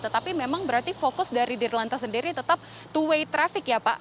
tetapi memang berarti fokus dari dirlanta sendiri tetap two way traffic ya pak